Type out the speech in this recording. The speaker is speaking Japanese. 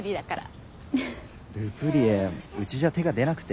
ル・プリエうちじゃ手が出なくて。